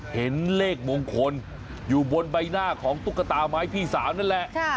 เห็นเลขมงคลอยู่บนใบหน้าของตุ๊กตาไม้พี่สาวนั่นแหละ